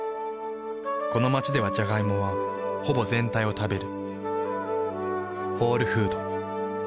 この街ではジャガイモはほぼ全体を食べる。